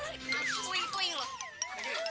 anggur gini buah